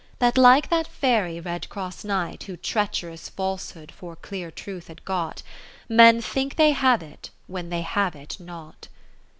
That, like that Fairy Red cross Knight, Who treacherous Falsehood for clear Truth had got. Men think they have it when they have it not.